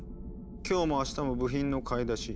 「今日もあしたも部品の買い出し。